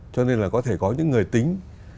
cho nên là có thể có những người tính